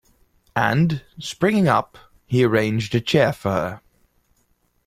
And, springing up, he arranged a chair for her.